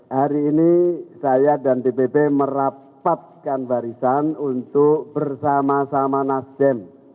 hari ini saya dan dpp merapatkan barisan untuk bersama sama nasdem